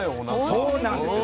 そうなんです。